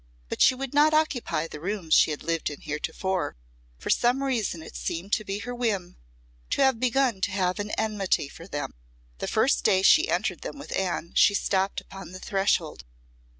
But she would not occupy the rooms she had lived in heretofore. For some reason it seemed to be her whim to have begun to have an enmity for them. The first day she entered them with Anne she stopped upon the threshold.